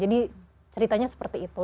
jadi ceritanya seperti itu